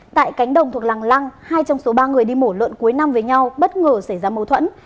tại cánh đồng thuộc làng lăng hai trong số ba người đi mổ lợn cuối năm với nhau bất ngờ xảy ra mâu thuẫn